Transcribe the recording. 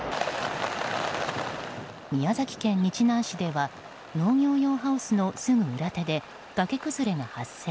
宮崎県日南市では農業用ハウスのすぐ裏手で崖崩れが発生。